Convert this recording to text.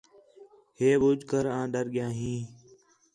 ہے ٻُڄھ کر آں ݙَر ڳِیا ہیں